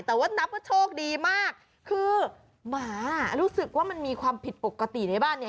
แต่ว่านับว่าโชคดีมากคือหมารู้สึกว่ามันมีความผิดปกติในบ้าน